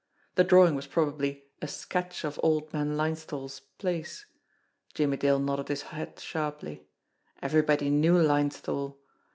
The drawing was probably a sketch of old man Linesthal's place. Jimmie Dale nodded his head sharply. Everybody knew Linesthal.